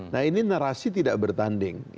nah ini narasi tidak bertanding